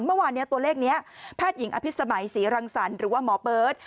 เมื่อวานนี้ตัวเลขนี้แพทย์หญิงอภิษมัยศรีรังสรรค์หรือว่าหมอเบิร์ต